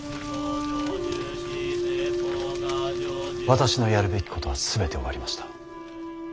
私のやるべきことは全て終わりました。